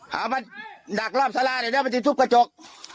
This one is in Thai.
หามาดักรอบสาราเดี๋ยวมาจิ้มทุบกระจก